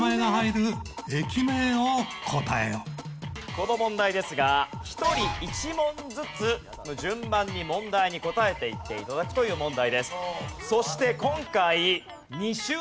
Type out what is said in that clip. この問題ですが１人１問ずつ順番に問題に答えていって頂くという問題です。